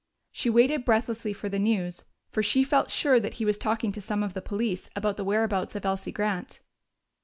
She waited breathlessly for the news, for she felt sure that he was talking to some of the police about the whereabouts of Elsie Grant.